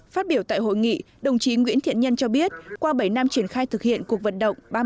phát biểu tại hội nghị đồng chí nguyễn thiện nhân cho biết qua bảy năm triển khai thực hiện cuộc vận động